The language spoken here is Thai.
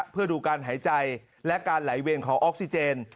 เพื่อดูการหายใจและการไหลเวียนของออกซิเจน